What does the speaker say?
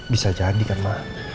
bisa jadi kan ma